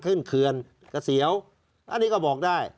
ขึ้นเคือนกระเสียวอันนี้ก็บอกได้